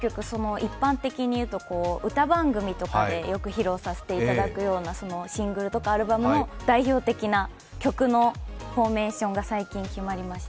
一般的に言うと歌番組でよく披露させていただくようなシングルとかアルバムの代表的な曲のフォーメーションが最近、決まりまして。